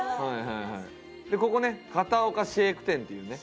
でここね片岡シェーク店っていうね